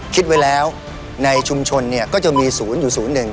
คิดไว้แล้วในชุมชนเนี่ยก็จะมีศูนย์อยู่ศูนย์หนึ่ง